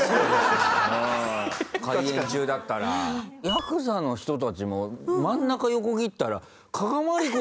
ヤクザの人たちも真ん中横切ったら。